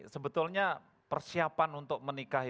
sebetulnya persiapan untuk menikah ya